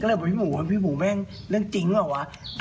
ก็เลยบอกพี่หมูพี่หมูแม่งเรื่องจริงเปล่าวะ